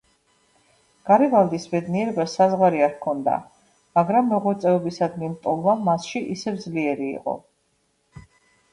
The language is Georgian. გარიბალდის ბედნიერებას საზღვარი არ ჰქონდა, მაგრამ მოღვაწეობისადმი ლტოლვა მასში ისევ ძლიერი იყო.